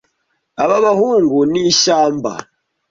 Aba bahungu ni ishyamba.